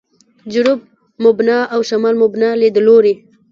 «جنوب مبنا» او «شمال مبنا» لیدلوري.